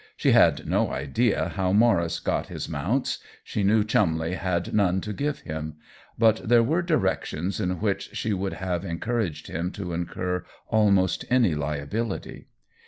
She had no idea how Maurice got his mounts — she knew Chumleigh had none to give him ; but there were directions in which she would have en couraged him to incur almost any liability.